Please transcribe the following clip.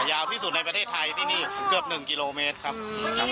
ยาวที่สุดในประเทศไทยที่นี่เกือบ๑กิโลเมตรครับ